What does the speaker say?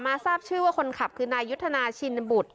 ทราบชื่อว่าคนขับคือนายยุทธนาชินบุตร